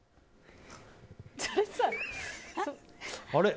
あれ？